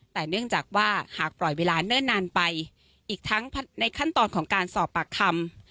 แต่เนื่องจากว่าหากปล่อยเวลาเนิ่นนานไปอีกทั้งในขั้นตอนของการสอบปากคำ